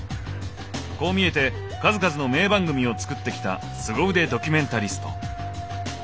こう見えて数々の名番組を作ってきたすご腕ドキュメンタリスト。